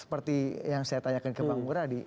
seperti yang saya tanyakan ke bang muradi